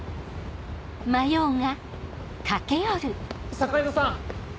坂井戸さん！